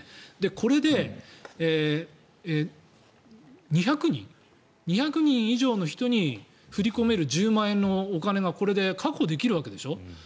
これで２００人以上の人に振り込める１０万円のお金がこれで確保できるわけでしょ。